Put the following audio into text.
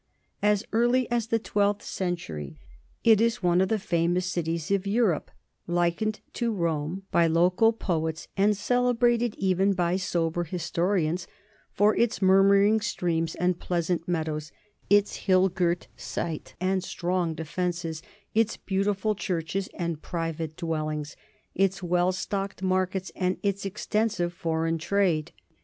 As early as the twelfth century it is one of the famous cities of Europe, likened to Rome by local poets and celebrated even by sober historians for its murmuring streams and pleasant meadows, its hill girt site and strong defences, its beau tiful churches and private dwellings, its well stocked markets, and its extensive foreign trade.